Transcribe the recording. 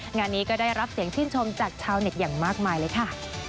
งานนี้ก็ได้รับเสียงชื่นชมจากชาวเน็ตอย่างมากมายเลยค่ะ